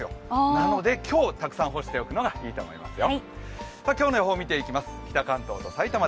なので今日たくさん干しておくのがいいと思いますよ。